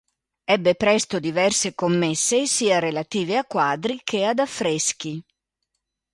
Ebbe presto diverse commesse, sia relative a quadri che ad affreschi.